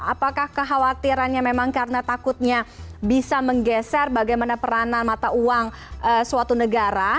apakah kekhawatirannya memang karena takutnya bisa menggeser bagaimana peranan mata uang suatu negara